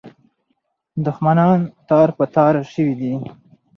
دښمنان تار په تار سوي دي.